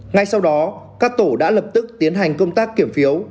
ngay sau đó các tổ đã lập tức tiến hành công tác kiểm phiếu